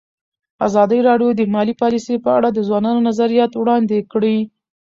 ازادي راډیو د مالي پالیسي په اړه د ځوانانو نظریات وړاندې کړي.